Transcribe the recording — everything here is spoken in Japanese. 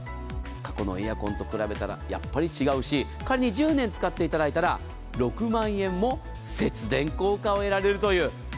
過去のエアコンと比べたらやっぱり違うし仮に１０年使っていただいたら６万円も節電効果を得られるという。